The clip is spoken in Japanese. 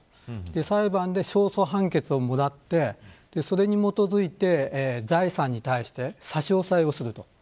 裁判で勝訴判決をもらってそれに基づいて財産に対して差し押さえをすると。